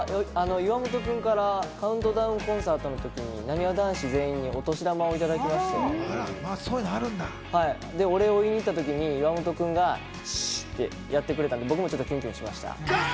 岩本君からカウントダウンコンサートの時になにわ男子全員にお年玉をいただきまして、お礼を言いに行ったときに岩本君がシ！ってやってくれたので僕もキュンキュンしました。